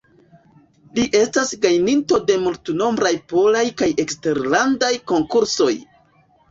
Li estas gajninto de multnombraj polaj kaj eksterlandaj konkursoj.